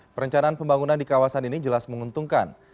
perencanaan pembangunan di kawasan ini jelas menguntungkan